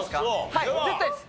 はい絶対です！